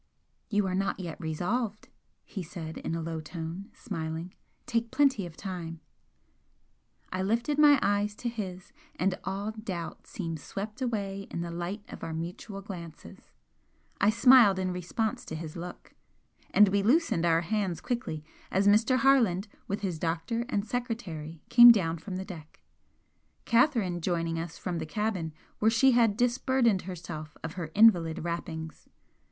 "You are not yet resolved!" he said, in a low tone, smiling "Take plenty of time!" I lifted my eyes to his, and all doubt seemed swept away in the light of our mutual glances I smiled in response to his look, and we loosened our hands quickly as Mr. Harland with his doctor and secretary came down from the deck, Catherine joining us from the cabin where she had disburdened herself of her invalid wrappings.